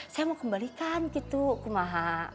saya mau kembalikan gitu kemah